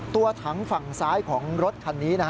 ตัวถังฝั่งซ้ายของรถคันนี้